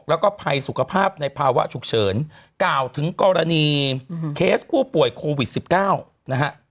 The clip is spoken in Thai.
แล้วก็ภัยสุขภาพในภาวะฉุกเฉินกล่าวถึงกรณีเคสผู้ป่วยโควิด๑๙นะฮะ